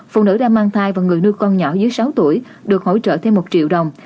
phụ nữ đã mang thai và người nuôi con nhỏ dưới sáu tuổi được hỗ trợ thêm một triệu đồng